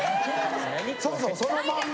そうそうそのまんま。